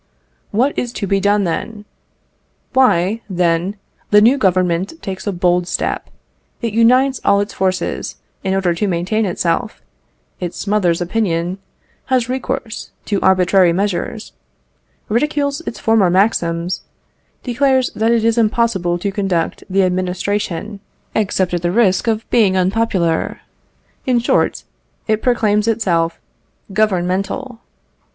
What is to be done then? Why, then, the new Government takes a bold step; it unites all its forces in order to maintain itself; it smothers opinion, has recourse to arbitrary measures, ridicules its former maxims, declares that it is impossible to conduct the administration except at the risk of being unpopular; in short, it proclaims itself governmental.